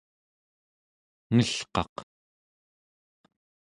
engelqaq